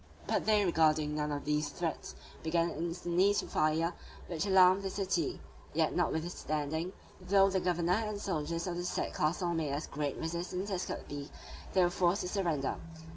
But disregarding these threats, they began instantly to fire, which alarmed the city; yet notwithstanding, though the governor and soldiers of the said castle made as great resistance as could be, they were forced to surrender.